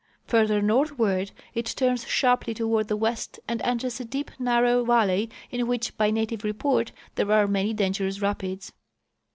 Further northward it turns sharply toward the west and enters a deep narrow valley, in which, by native report, there are many dangerous rapids.